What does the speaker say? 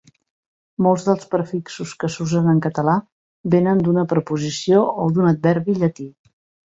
Molts dels prefixos que s'usen en català vénen d'una preposició o d'un adverbi llatí.